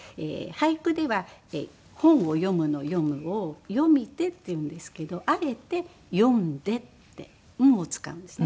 俳句では「本を読む」の「読む」を「読みて」っていうんですけどあえて「読んで」って「ん」を使うんですね。